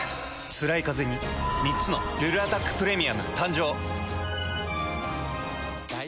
つらいカゼに３つの「ルルアタックプレミアム」誕生。